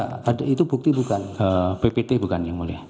ppt bukan yang mulia